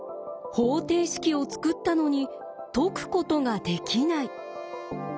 方程式を作ったのに解くことができない。